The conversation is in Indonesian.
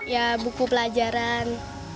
ya buku pelajaran